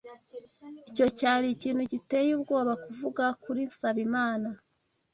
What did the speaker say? Icyo cyari ikintu giteye ubwoba kuvuga kuri Nsabimana.